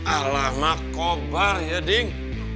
alamak kobar ya ding